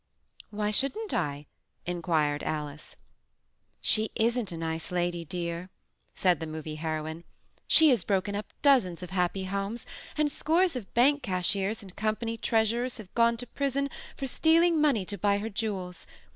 "Why shouldn't I?" inquired Alice. "She isn't a nice lady, dear," said the Movie Heroine. "She has broken up dozens of happy homes, and scores of bank cashiers and company treasurers have gone to prison for stealing money to buy her jewels.